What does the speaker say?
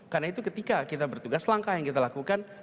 karena itu ketika kita bertugas langkah yang kita lakukan